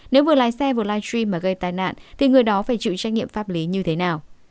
nếu vừa lái xe vừa live stream mà gây tai nạn thì người đó phải chịu trách nhiệm pháp lý như thế nào